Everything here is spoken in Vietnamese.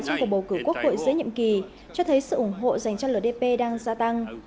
trong cuộc bầu cử quốc hội giữa nhiệm kỳ cho thấy sự ủng hộ dành cho ldp đang gia tăng